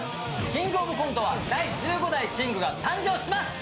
「キングオブコント」は第１５代キングが誕生します。